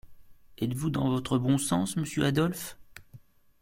Êtes-vous dans votre bon sens, monsieur Adolphe ?